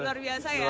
luar biasa ya